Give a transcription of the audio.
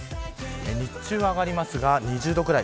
日中は上がりますが２０度くらい。